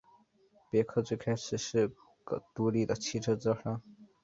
别克最开始是个独立的汽车制造商。